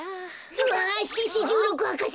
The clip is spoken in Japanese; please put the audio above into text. うわ獅子じゅうろく博士！